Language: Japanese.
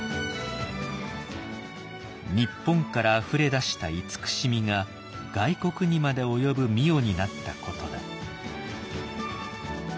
日本からあふれ出した慈しみが外国にまで及ぶ御代になったことだ。